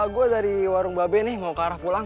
gue dari warung babe nih mau ke arah pulang